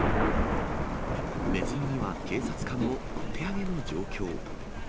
ネズミには警察官もお手上げの状況。